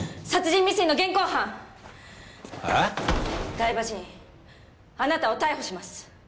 台場陣あなたを逮捕します。